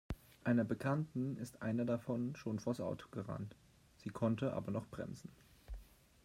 Einer Bekannten ist einer davon schon vors Auto gerannt. Sie konnte aber noch bremsen.